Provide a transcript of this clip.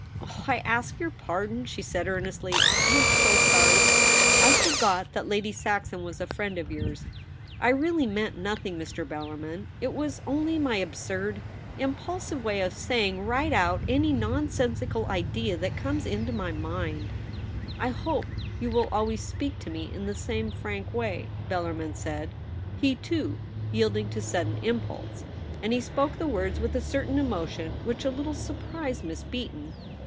' Oh, I ask your pardon !' she said earnestly. * I am so sorry — I forgot that Lady Saxon was a friend of yours. I really meant nothing, Mr. Bellarmin ; it was only my absurd, im pulsive way of saying right out any nonsensical idea that comes into my mind.' ' I hope you will always speak to me in the same frank way,' Bellarmin said, he, too, yielding to sudden impulse ; and he spoke the words with a certain emotion which a little surprised Miss Beaton.